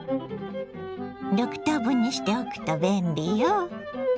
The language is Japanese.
６等分にしておくと便利よ。